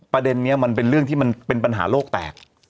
ประเด็นนี้มันเป็นเรื่องที่มันเป็นปัญหาโลกแตก